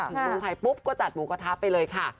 เมืองไทยปุ๊บก็จัดหมูกระทะไปเลยค่ะ